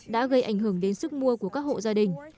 đã gây ảnh hưởng đến sức mua của các hộ gia đình